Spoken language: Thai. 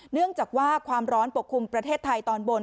เนื่องจากว่าความร้อนปกคลุมประเทศไทยตอนบน